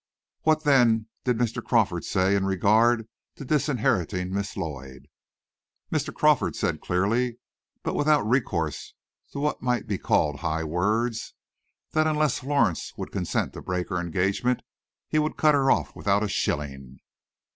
"What then did Mr. Crawford say in regard to disinheriting Miss Lloyd?" "Mr. Crawford said clearly, but without recourse to what may be called high words, that unless Florence would consent to break her engagement he would cut her off with a shilling."